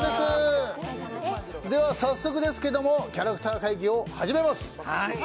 では早速ですけれども、キャラクター会議を始めます。